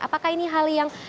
apakah ini hal yang